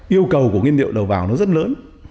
yêu cầu của nguyên liệu đầu vào nó rất lớn